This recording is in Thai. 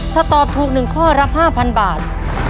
ถ้าตอบถูก๑ข้อรับ๕๐๐บาท